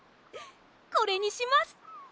これにします！